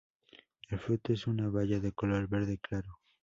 El fruto es una baya de color verde claro.